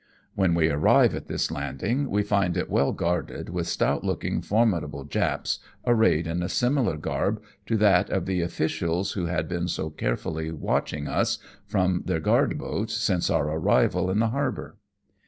When we arrive at this landing we find it well guarded with stout looking, formidable Japs, arrayed in a similar garb to that of the officials who had been WE VISIT NAGASAKI TOWN. 171 so carefully watching us from their guard boats since our arrival in the harbour.